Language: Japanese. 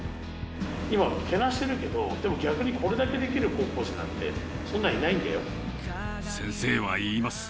今、けなしてるけど、でも逆にこれだけできる高校生なんて、先生は言います。